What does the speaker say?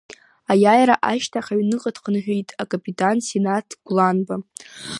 Аиааира ашьҭахь аҩныҟа дхынҳәит акапитан Синаҭ гәланба.